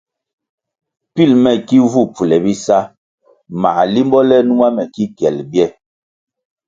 Pil me ki vu pfule bisa mā limbo le numa me ki kyel bye,